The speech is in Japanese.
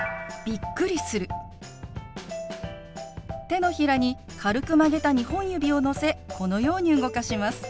手のひらに軽く曲げた２本指をのせこのように動かします。